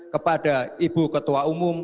kepada ibu ketua umum